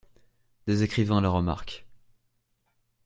Des écrivains la remarquent.